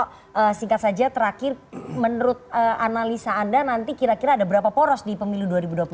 pak singkat saja terakhir menurut analisa anda nanti kira kira ada berapa poros di pemilu dua ribu dua puluh empat